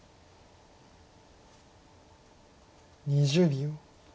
２０秒。